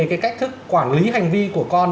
cái cách thức quản lý hành vi của con